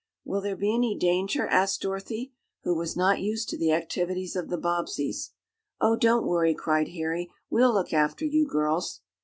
"Will there be any danger?" asked Dorothy, who was not used to the activities of the Bobbseys. "Oh, don't worry!" cried Harry. "We'll look after you girls."